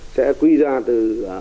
sẽ quy ra từ